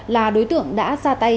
là đối tượng đã ra tay